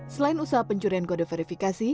selain usaha pencurian kode verifikasi